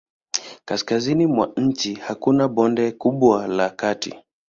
Kaskazini mwa nchi hakuna bonde kubwa la kati.